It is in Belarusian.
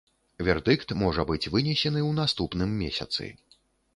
Вердыкт можа быць вынесены ў наступным месяцы.